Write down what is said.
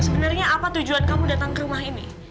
sebenarnya apa tujuan kamu datang ke rumah ini